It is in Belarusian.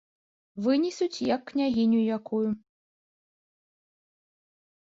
Вынесуць, як княгіню якую.